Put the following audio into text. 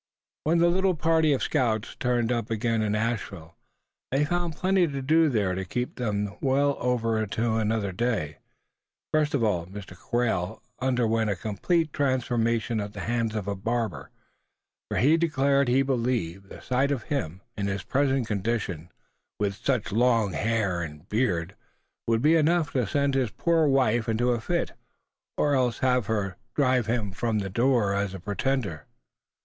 When the little party of scouts turned up again in Asheville, they found plenty to do there to keep them over until another day. First of all, Mr. Quail underwent a complete transformation at the hands of a barber; for he declared he believed the sight of him, in his present condition, with such long hair and beard, would be enough to send his poor wife into a fit, or else have her drive him from the door as a pretender.